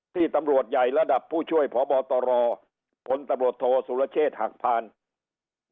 ที่ตำรวจใหญ่ระดับผู้ช่วยพบตรผลตำรวจโทษศุลเชษหักพันธุ์